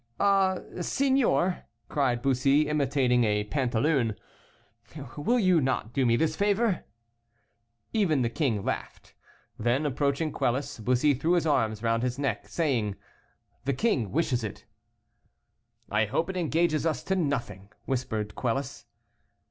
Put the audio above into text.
"Ah, signor," cried Bussy, imitating a pantaloon, "will you not do me this favor?" Even the king laughed. Then, approaching Quelus, Bussy threw his arms round his neck, saying, "The king wishes it." "I hope it engages us to nothing," whispered Quelus.